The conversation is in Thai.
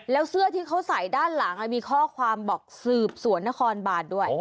แล้วเสื้อที่เขาใส่ด้านหลังมีข้อความบอกสืบสวนนครบานด้วย